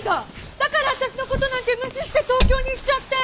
だから私の事なんて無視して東京に行っちゃって。